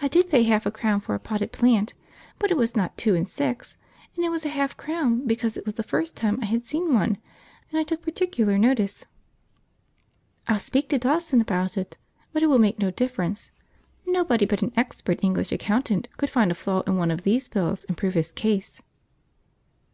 I did pay half a crown for a potted plant, but it was not two and six, and it was a half crown because it was the first time I had seen one and I took particular notice. I'll speak to Dawson about it, but it will make no difference. Nobody but an expert English accountant could find a flaw in one of these bills and prove his case."